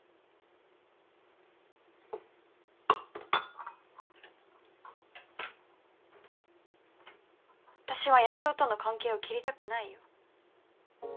あたしは安生との関係を切りたくないよ。